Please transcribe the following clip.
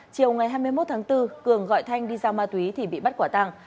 chiều ngày hai mươi một tháng bốn cường gọi thanh đi giao ma túy thì bị bắt quả tàng